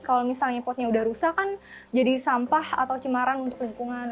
kalau misalnya potnya udah rusak kan jadi sampah atau cemaran untuk lingkungan